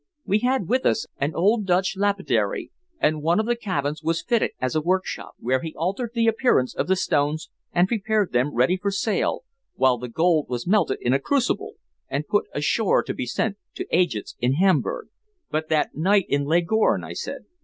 We had with us an old Dutch lapidary, and one of the cabins was fitted as a workshop, where he altered the appearance of the stones, and prepared them ready for sale, while the gold was melted in a crucible and put ashore to be sent to agents in Hamburg." "But that night in Leghorn?" I said.